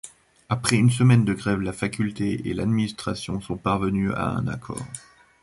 Après une semaine de grève, la faculté et l'administration sont parvenues à un accord.